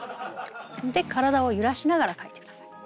体を揺らしながら書いてください。